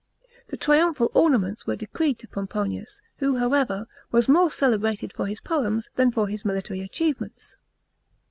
The triumphal ornaments were decreed to Pomponius, who, however, was more celebrated for his poems than for his military achievements.